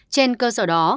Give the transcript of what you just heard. trên cơ sở đó